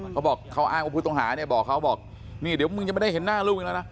เขาบอกเขาอ้างอาหรับผู้ตงฮาเนี่ยเดี๋ยวมันจะไม่ได้เห็นหน้าลูกอีกแล้วนะ